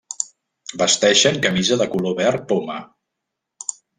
Vesteixen camisa de color verd poma.